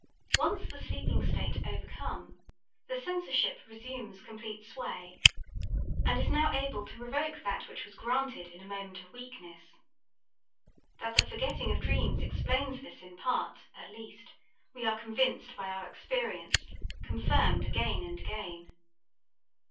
Once the sleeping state overcome, the censorship resumes complete sway, and is now able to revoke that which was granted in a moment of weakness. That the forgetting of dreams explains this in part, at least, we are convinced by our experience, confirmed again and again.